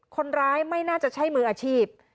คนร้ายไม่น่าจะใช่มืออาชีพ